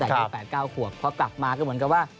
ตั้งแต่เด็ก๘๙ขวบพอกลับมาก็เหมือนกับว่า